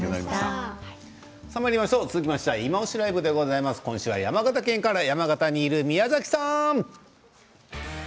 続きましては「いまオシ！ＬＩＶＥ」です。今週は山形県から山形にいる宮崎さん！